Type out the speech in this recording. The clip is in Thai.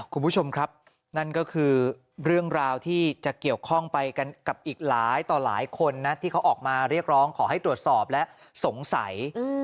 คุณผู้ชมครับนั่นก็คือเรื่องราวที่จะเกี่ยวข้องไปกันกับอีกหลายต่อหลายคนนะที่เขาออกมาเรียกร้องขอให้ตรวจสอบและสงสัย